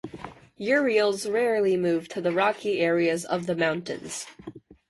Urials rarely move to the rocky areas of the mountains.